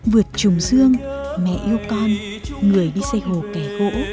vượt trùng dương mẹ yêu con người đi xây hồ kẻ gỗ